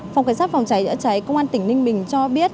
phòng cảnh sát phòng cháy chữa cháy công an tỉnh ninh bình cho biết